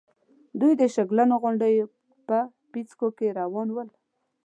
دوی د شګلنو غونډېو په پيڅکو کې روان ول.